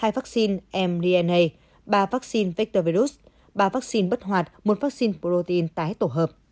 hai vaccine mdna ba vaccine vector virus ba vaccine bất hoạt một vaccine protein tái tổ hợp